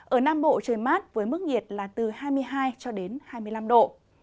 ở nam bộ trời mát với mức nhiệt là từ hai mươi hai cho đến hai mươi năm độ